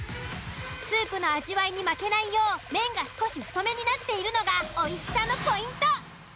スープの味わいに負けないよう麺が少し太めになっているのがおいしさのポイント。